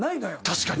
確かに！